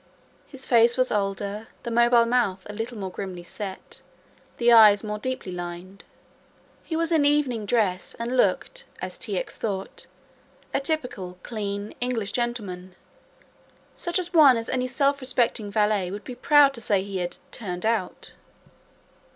His face was older, the mobile mouth a little more grimly set, the eyes more deeply lined. He was in evening dress and looked, as T. X. thought, a typical, clean, English gentleman, such an one as any self respecting valet would be proud to say he had "turned out."